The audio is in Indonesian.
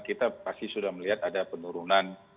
kita pasti sudah melihat ada penurunan